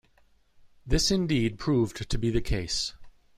This indeed proved to be the case.